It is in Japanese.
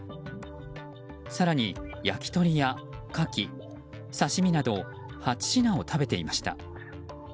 更に焼き鳥やカキ、刺し身など８品を食べていました。